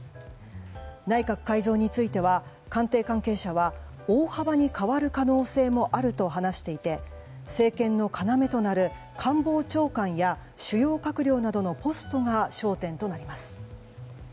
内閣改造については官邸関係者は大幅に変わる可能性もあると話していて政権の要となる官房長官や主要閣僚などのポストが焦点となります。